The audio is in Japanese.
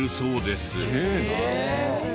すげえな。